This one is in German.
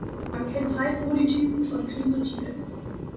Man kennt drei Polytypen von Chrysotil.